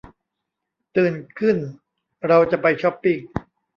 ตื่นขึ้นเราจะไปช็อปปิ้ง